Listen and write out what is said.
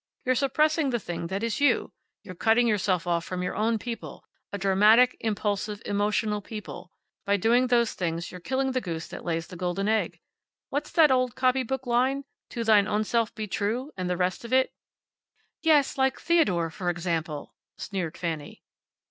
You're suppressing the thing that is you. You're cutting yourself off from your own people a dramatic, impulsive, emotional people. By doing those things you're killing the goose that lays the golden egg. What's that old copy book line? `To thine own self be true,' and the rest of it." "Yes; like Theodore, for example," sneered Fanny.